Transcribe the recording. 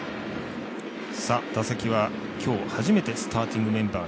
打席は今日初めてスターティングメンバー